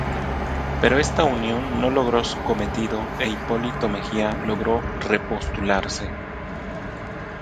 Pero esta unión no logró su cometido e Hipólito Mejía logró re postularse.